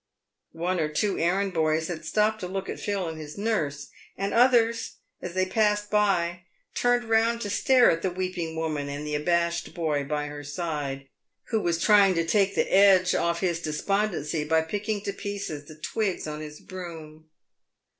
One or two errand boys had stopped to look at Phil and his nurse, and others, as they passed by, turned round to stare at the weeping woman and the abashed boy by her side, who was trying to take the edge off his despondency by picking to pieces the twigs on his broom.